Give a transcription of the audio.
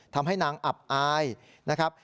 ทำให้นางอับอายนะครับ